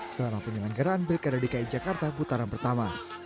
selama penyelenggaraan pilkada dki jakarta putaran pertama